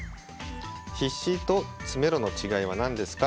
「『必至』と『詰めろ』の違いは何ですか？」。